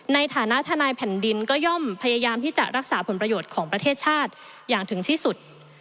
ในฐานะทนายแผ่นดินก็ย่อมพยายามที่จะรักษาผลประโยชน์ของประเทศชาติอย่างถึงที่สุด